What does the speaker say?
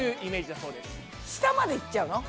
下まで行っちゃうの？